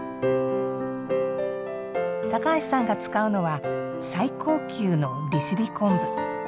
高橋さんが使うのは最高級の利尻昆布。